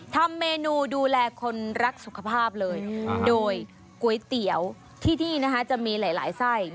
ทำเมนูดูแลคนรักสุขภาพเลยโดยก๋วยเตี๋ยวที่นี่นะคะจะมีหลายไส้